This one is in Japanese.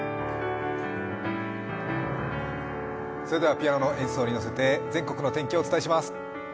ピアノの演奏にのせて全国の天気をお伝えします。